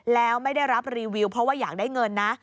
แล้วไม่ได้รับรีวิวเพราะว่าอยากได้เงินนะ